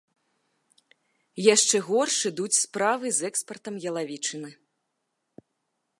Яшчэ горш ідуць справы з экспартам ялавічыны.